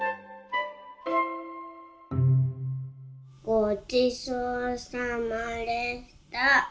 ごちそうさまでした。